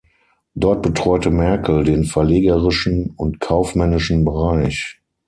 Dort betreute Merkel den verlegerischen und kaufmännischen Bereich.